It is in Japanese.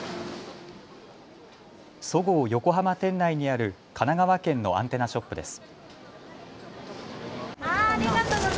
そごう横浜店内にある神奈川県のアンテナショップです。